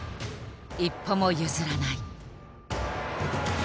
一歩も譲らない。